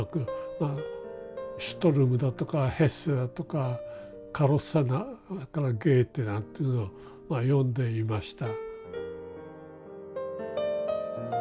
まあシュトルムだとかヘッセだとかカロッサゲーテなんていうのをまあ読んでいました。